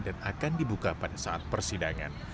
akan dibuka pada saat persidangan